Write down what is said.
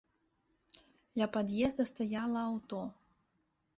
Ля пад'езда стаяла аўто.